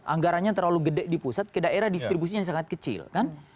anggarannya terlalu gede di pusat ke daerah distribusinya sangat kecil kan